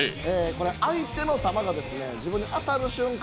相手の弾が自分に当たる瞬間